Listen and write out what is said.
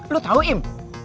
lu tau im